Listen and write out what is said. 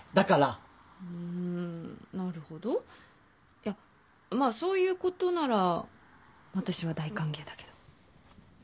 いやまあそういうことなら私は大歓迎だけど。